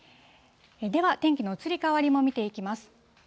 では、天気の移り変わりも見ていきます。